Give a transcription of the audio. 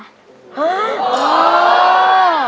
เห้อ